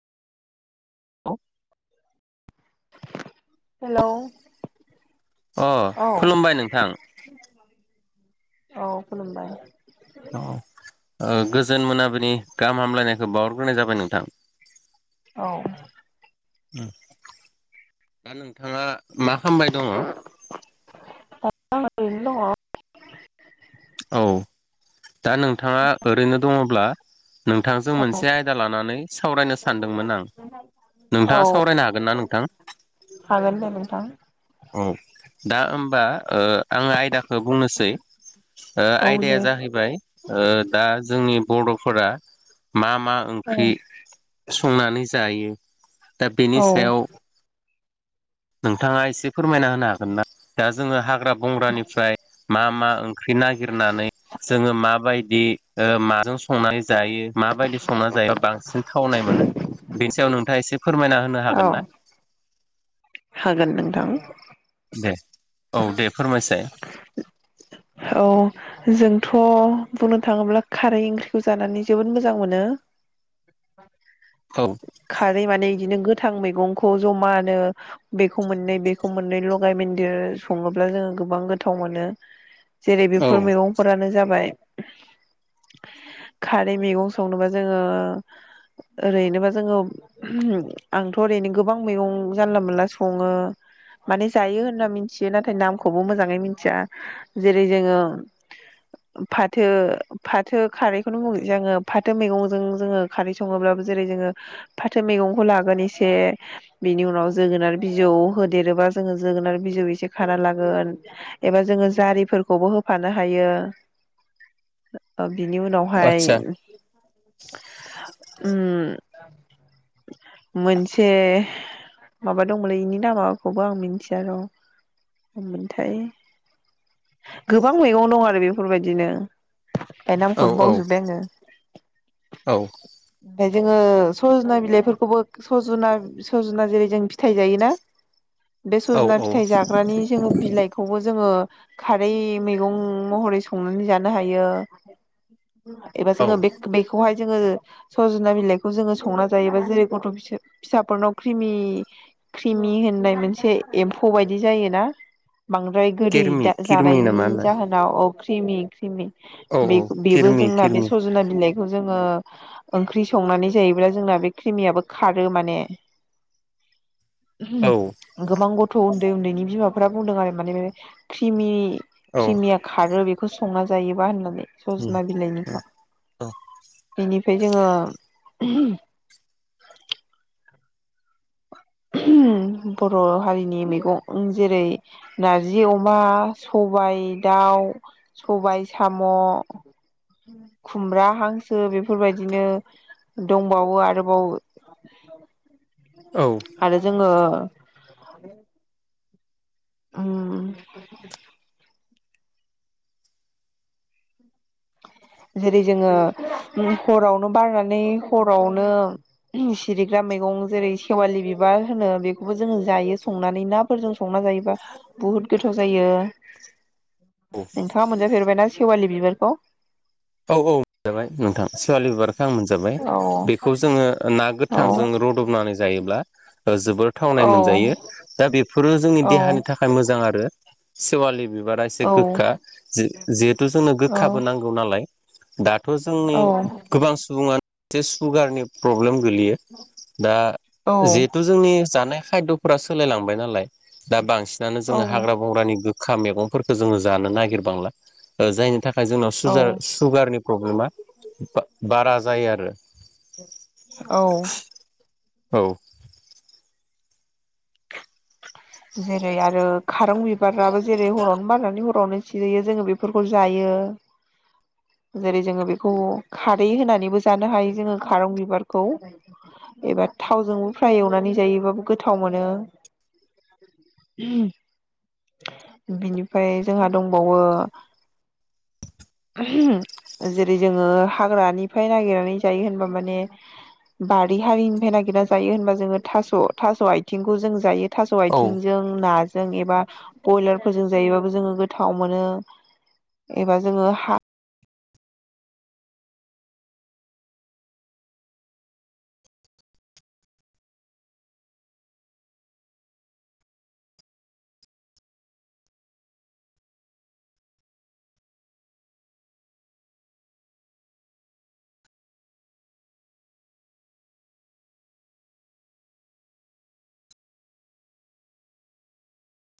औ हेलौ अ औ खुलुमबाय नोंथां औ खुलुमबाय औ ओ गोजोन मोनाबिनि गाहाम हामलायनायखौ बावहरग्रोनाय जाबाय नोंथां औ दा नोंथाङा मा खालामामबाय दङ? [unintelligible] औ दा नोंथाङा ओरैनो दङब्ला नोंथांजों मोनसे आयदा लानानै सावरायनो सानदोंमोन आं औ नोंथाङा सावरायनो हागोन ना नोंथां? हागोन दे नोंथां औ दा होमबा ओ आङो आयदाखौ बुंनोसै ओ औ आयदाया दे जाहैबाय ओ दा जोंनि बर'फोरा मा मा औ ओंख्रि संनानै जायो दा बेनि औ सायाव नोंथाङा एसे फोरमायना होनो हागोन ना दा जोङो हाग्रा बंग्रानिफ्राय मा मा फख्रि नागिरनानै जोङो माबायदि बिदि माजों संनानै जायो माबायदि संनानै जायो बांसिन थावनाय मोनो बेनि सायाव नोंथाङा एसे फोरमायना होनो औ हागोन ना? हागोन नोंथां।। दे औ दे फोरमायसाय औ जोंथ' बुंनो थाङोब्ला खारै ओंख्रिखौ जानानै जोबोद मोजां मोनो औ खारै माने बिदिनो गोद थां मैगंखौ जमानो बेखौ मोननै बेखौ मोननै लगाय बेन्दोर सङोब्ला जोङो गोबां गोथाव मोनो जेरै औ बेफोर मैगंफोरानो जाबाय [inaudible] खारै मैगं संनोबा जोङो ओरैनोबा जोङो आंथ' ओरैनो गोबां मैगं जानला मोनला सङो माने जायो होनना मिथियो नाथाय नामखौबो मोजाङै मोनथिया जेरै जोङो फाथो फाथो खारैखौनो बुङो जोङो फाथो मैगंजों जोङो खारै सङोब्ला जेरै जोङो फाथो मैगंखौ लागोन एसे बिनि उनाव जोगोनार बिजौ होदेरो बा जोङो जोगोनार बिजौ एसे खाना लागोन एबा जोङो जारि फोरखौबो होफानो हायो। [inaudible] बिनि उनावहाय आदसा [inaudible] ओम मोनसे माबा दङलै बेनि नामाखौबो आं मिथिया र'। मोन्थाय गोबां मैगं दं आरो बेफोरबायदिनो। बे औ नामखौनो औ बावजोबबाय आङो। औ [inaudible] फाय जोङो सजना बिलाइफोरखौबो सजुना सजुना जेरै जों फिथाइ जायोना। बे औ सजना औ फिथाइ जाग्रानि जोङो बिलाइखौबो जोङो खारै मैगं महरै संनानै जानो हायो। एबा जोङो औ बे बेखौहाय जोङो सजना बिलाइखौ जोङो संना जायोबा जेरै गथ' फिसा फिसाफोरनाव क्रिमि क्रिमि होननाय मोनसे एम्फौ बायदि जायोना बांद्राय गोदै किरमि दा किरमि ना जानायनि मा होनो जाहोनाव अ क्रिमि क्रिमि औ औ बे बेबो किरमि जोंना बे किरमि सजना बिलाइखौ जोङो ओंख्रि संनानै जायोब्ला जोंना बे क्रिमियाबो खारो माने। [inaudible] औ ओहोम गोबां गथ' उन्दै उन्दैनि बिमाफोरा बुंदों आरो माने क्रिमि औ उम क्रिमिया खारो बेखौ संना जायोबा होननानै। सजना उम बिलाइनिखौ औ [inaudible] बेनिफ्राय जोङो ओहोम। [inaudible] ओहोम बर' हारिनि मैगं जेरै नारजि अमा स सबाइ दाउ, सबाय साम' खुमब्रा हांसो बेफोरबायदिनो दंबावो आरोबाव [inaudible] औ। आरो जोङो [inaudible] ओं। [inaudible] जेरै जोङो हरावनो बारनानै हरावनो सिरिग्रा मैगं जेरै सेवालि बिब बार होनो बेखौबो जोङो जायो संनानै नाफोरजों संना जायोबा बुहुत गोथाव जायो। [inaudible] औ नोंथाङा मोनजाफेरबायना सेवालि बिबारखौ? औ औ मोनजाबाय नोंथां सिवालि बिबारखौ आं मोनजाबाय। औ बेखौ जोङो ना औ गोथांजों रदबनानै जायोब्ला जोबोर थावनाय औ मोनजायो। दा बेफोरो जोंनि औ देहानि थाखाय मोजां आरो सेवालि बिबारा एसे औ गोखा जि-जिहेथु जोंनो गोखाबो नांगौ नालाय दा थ' जोंनि औ गोबां सुबुंङानो सुगारनि प्रब्लेम गोलैयो दा जिहेथु जोंनि जानाय खायद'फोरा सोलायलांबाय नालाय दा बांसिनानो औ जोङो हाग्रा बंग्रानि गो खा मैगंफोरखौ जोङो जानो नागिरबांला ओ जायनि थाखाय जोंनाव औ सुजार नि प्रब्लेमा बा-बारा जायो आरो। औ औ। जेरै आरो खारं बिबाराबो जेरै हरावनो बारनानै हर रावनो सिरियो जोङो बेफोरखौ जायो। [inaudible] जेरै जोङो बेखौ खारै होनानैबो जानो हायो जोङो खारं बिबारखौ एबा थावजोंबो फ्राय एवनानै जायोबाबो गोथाव मोनो। [inaudible] उम बिनिफ्राय जोंहा दंबावो [unintelligible] ओह जेरै जोङो हाग्रानिफ्राय नागिरनानै जायो होनबा माने बारि हारिनिफ्राय नागिरना जायो होनबा जोङो थास' थास' आथिंखौ जों जायो थास' औ आथिंजों नाजों एबा बयलारफोरजों जायोबाबो जोङो गोथाव मोनो। एबा जोङो हा